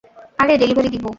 আগে ডেলিভারি দিব।